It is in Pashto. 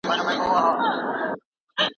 استاد د شاګرد د مسودي لومړۍ بڼه ولیده.